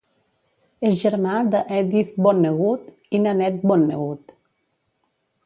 És germà de Edith Vonnegut i Nanette Vonnegut.